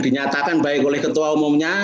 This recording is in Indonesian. dinyatakan baik oleh ketua umumnya